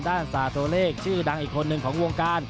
ศาตัวเลขชื่อดังอีกคนหนึ่งของวงการ